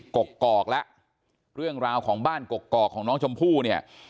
กกอกแล้วเรื่องราวของบ้านกกอกของน้องชมพู่เนี่ย